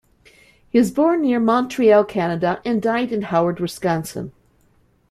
He was born near Montreal, Canada and died in Howard, Wisconsin.